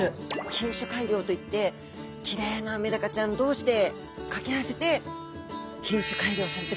品種改良といってきれいなメダカちゃん同士で掛け合わせて品種改良されていくんですね。